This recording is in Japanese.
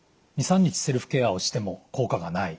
２３日セルフケアをしても効果がない。